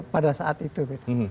pada saat itu gitu